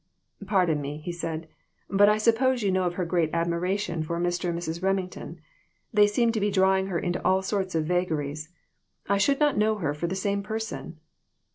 "Pardon me," he said; "but I suppose you know of her great admiration for Mr. and Mrs. Remington. They seem to be drawing her into all sorts of vagaries. I should not know her for the same person."